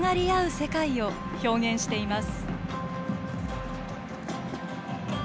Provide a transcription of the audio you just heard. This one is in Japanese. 世界を表現しています。